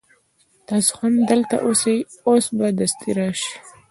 تاسو هم دلته اوسئ اوس به دستي راسي.